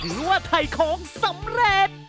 หรือว่าไถ่ของสำเร็จ